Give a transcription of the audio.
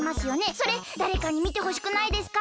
それだれかにみてほしくないですか？